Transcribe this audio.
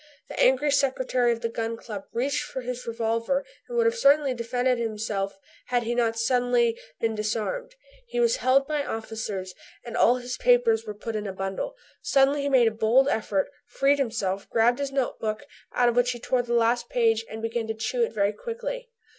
The angry Secretary of the Gun Club reached for his revolver, and would have certainly defended himself had he not been suddenly disarmed. He was held by officers, and all his papers were put in a bundle. Suddenly he made a bold effort, freed himself, grabbed his note book, out of which he tore the last page and began to chew it very quickly.